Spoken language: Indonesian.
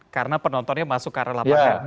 karena penontonnya masuk ke area lapangan